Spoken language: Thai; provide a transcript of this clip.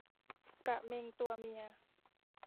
กะเม็งตัวเมีย